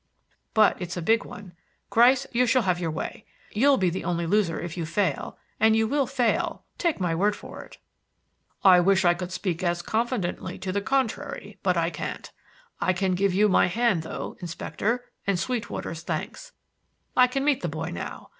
"But it's a big one. Gryce, you shall have your way. You'll be the only loser if you fail; and you will fail; take my word for it." "I wish I could speak as confidently to the contrary, but I can't. I can give you my hand though, Inspector, and Sweetwater's thanks. I can meet the boy now.